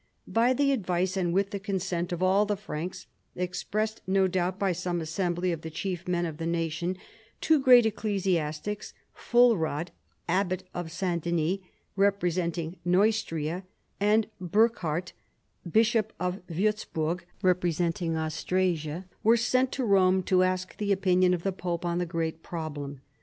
By the advice and with the consent of all the Fi anks, expressed no doubt by some assembly of the chief men of the nation, two great ecclesiastics, P'ulrad, Abbot of St. Denis representing Neustria, and Burchard, Bishop of AViirzburg representing Austrasia, were sent to Borne to ask the opinion of the pope on the great problem.